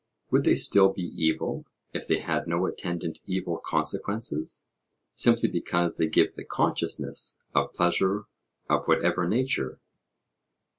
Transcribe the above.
Would they still be evil, if they had no attendant evil consequences, simply because they give the consciousness of pleasure of whatever nature?'